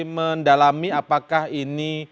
mendalami apakah ini